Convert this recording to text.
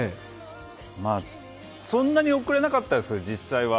まあ、そんなに遅れなかったですけど、実際は。